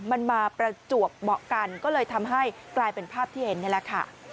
มันมาประจวบเหมาะกันก็เลยทำให้กลายเป็นภาพที่เห็นนี่แหละค่ะ